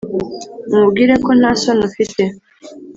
umubwire kandi nta soni ufite